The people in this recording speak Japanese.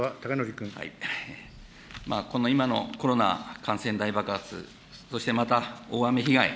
今のコロナ感染大爆発、そしてまた大雨被害。